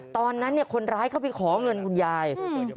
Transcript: ตอนนั้นเนี่ยคนร้ายเข้าไปขอเงินคุณยายอืม